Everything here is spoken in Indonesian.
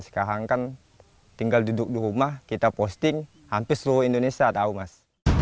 sekarang kan tinggal duduk di rumah kita posting hampir seluruh indonesia tahu mas